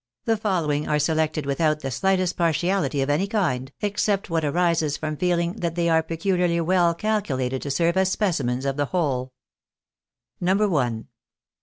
The following are selected without the shghtest partiahty of any kind, except what arises from feeUng that they are pecuharly well calculated to serve as specimens of the whole :— No. I.